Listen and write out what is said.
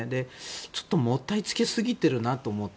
ちょっともったいつけすぎているなと思って。